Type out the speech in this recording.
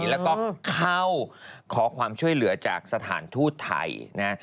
แล้วก็เข้าขอความช่วยเหลือจากสถานทูตไทยนะฮะ